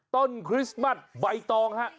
ต้นคริสต์มัสใบตองครับ